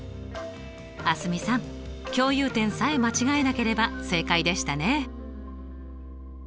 蒼澄さん共有点さえ間違えなければ正解でしたね。